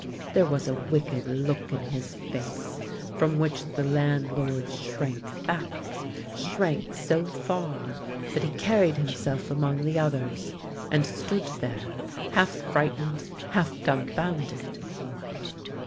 There was a wicked look in his face, from which the landlord shrank back — shrank so far that he carried himself among the others, and stood there, half fright ened, half dumfounded.